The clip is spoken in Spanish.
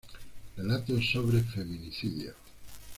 Relatos sobre feminicidios".